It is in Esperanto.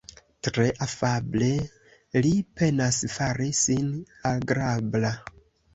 Tre afable li penas fari sin agrabla.